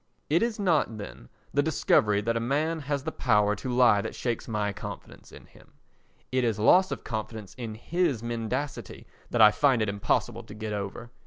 * It is not, then, the discovery that a man has the power to lie that shakes my confidence in him; it is loss of confidence in his mendacity that I find it impossible to get over.